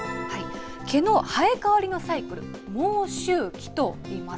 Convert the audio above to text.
毛の生え変わりのサイクル、毛周期といいます。